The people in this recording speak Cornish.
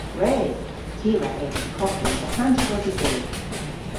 Gwredh! Ty a wra eva koffi dhe hanter wosa deg.